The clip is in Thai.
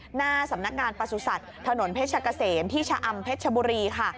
หน้าสำนักงานปสุศัตริย์ถนนเพชรเกษมที่ชะอำเพชรบุรี